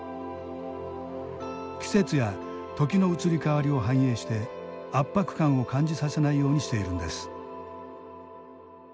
季節や時の移り変わりを反映して圧迫感を感じさせないようにしているんです。